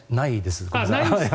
ないです。